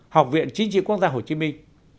học viện chính trị quốc gia hồ chí minh